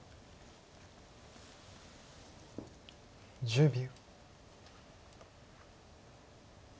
１０秒。